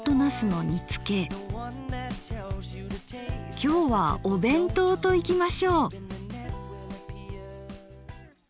きょうはお弁当といきましょう。